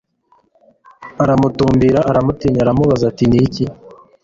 aramutumbira aramutinya aramubaza ati ni iki